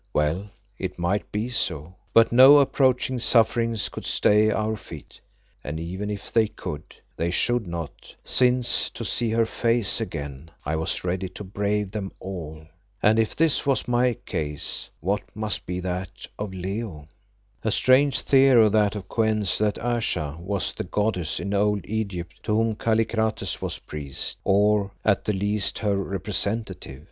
Well, it might be so, but no approaching sufferings could stay our feet. And even if they could, they should not, since to see her face again I was ready to brave them all. And if this was my case what must be that of Leo! A strange theory that of Kou en's, that Ayesha was the goddess in old Egypt to whom Kallikrates was priest, or at the least her representative.